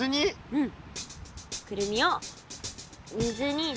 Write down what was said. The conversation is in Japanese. うん。